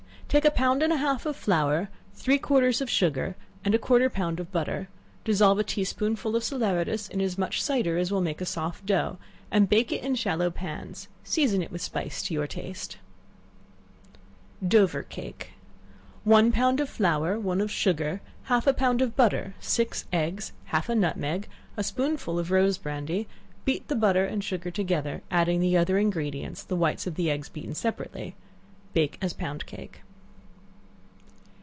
Take a pound and a half of flour, three quarters of sugar, and a quarter of a pound of butter; dissolve a tea spoonful of salaeratus in as much cider as will make it a soft dough, and bake it in shallow pans; season it with spice to your taste. Dover Cake. One pound of flour, one of sugar, half a pound of butter, six eggs, half a nutmeg, a spoonful of rose brandy; beat the butter and sugar together, adding the other ingredients, the whites of the eggs beaten separately; bake as pound cake.